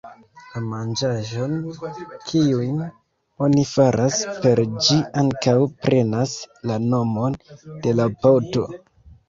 La manĝaĵoj kiujn oni faras per ĝi ankaŭ prenas la nomon de la poto.